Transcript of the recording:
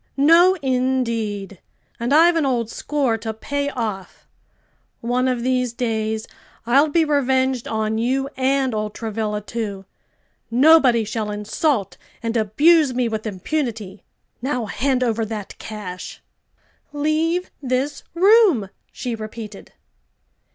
No, indeed! And I've an old score to pay off. One of these days I'll be revenged on you and old Travilla, too; nobody shall insult and abuse me with impunity. Now hand over that cash!" "Leave this room!" she repeated.